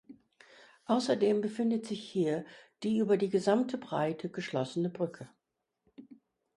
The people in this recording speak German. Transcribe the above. Außerdem befindet sich hier die über die gesamte Breite geschlossene Brücke.